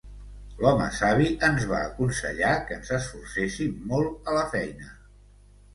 L'home savi ens va aconsellar que ens esforcéssim molt a la feina.